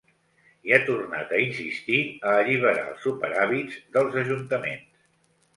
I ha tornat a insistir a alliberar els superàvits dels ajuntaments.